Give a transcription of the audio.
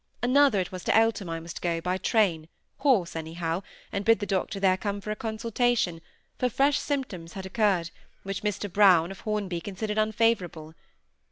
Another it was to Eltham I must go, by train, horse, anyhow, and bid the doctor there come for a consultation, for fresh symptoms had appeared, which Mr Brown, of Hornby, considered unfavourable.